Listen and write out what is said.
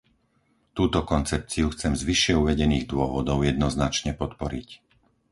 Túto koncepciu chcem z vyššie uvedených dôvodov jednoznačne podporiť.